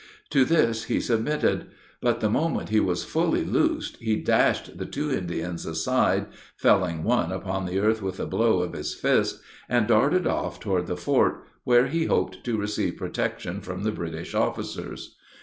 To this he submitted. But the moment he was fully loosed, he dashed the two Indians aside felling one upon the earth with a blow of his fist and darted off toward the fort, where he hoped to receive protection from the British officers.